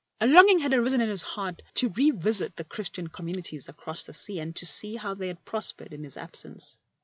A longing had arisen in his heart to revisit the Christian communities across the sea, and to see how they had prospered in his absence.